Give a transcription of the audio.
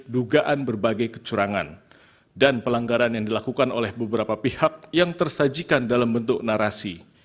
dugaan berbagai kecurangan dan pelanggaran yang dilakukan oleh beberapa pihak yang tersajikan dalam bentuk narasi